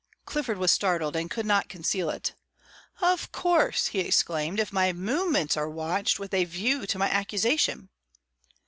Clifford was startled, and could not conceal it. "Of course," he exclaimed, "if my movements are watched, with a view to my accusation